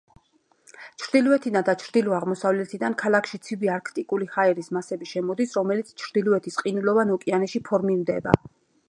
ჩრდილოეთიდან და ჩრდილო-აღმოსავლეთიდან ქალაქში ცივი, არქტიკული ჰაერის მასები შემოდის, რომელიც ჩრდილოეთის ყინულოვან ოკეანეში ფორმირდება.